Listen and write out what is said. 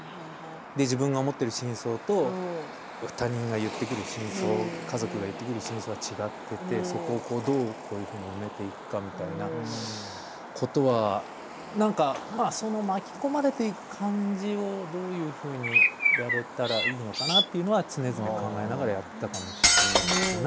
それで、自分が思ってる真相と他人が言ってくる真相家族が言ってくる真相が違っていてそこをどういうふうに埋めていくかみたいなことは、なんか巻き込まれていく感じをどういうふうにやれたらいいのかなというのは常々、考えながらやっていたかもしれないですね。